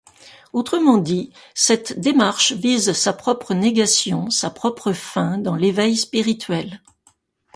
Autrement dit, cette démarche vise sa propre négation, sa propre fin dans l'éveil spirituel.